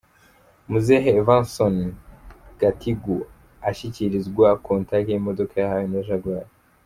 Muzehe Evanson Gathigu ashyikirizwa kontaki y'imodoka yahawe na Jaguar.